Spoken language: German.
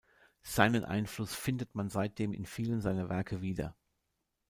Seinen Einfluss findet man seitdem in vielen seiner Werke wieder.